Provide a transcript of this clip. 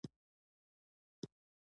بدرنګه خلک د اخلاص ضد وي